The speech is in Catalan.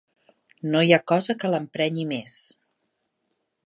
No hi ha cosa que l'emprenyi més.